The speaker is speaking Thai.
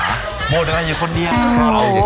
โหมดอันนี้คนนี้ค่ะ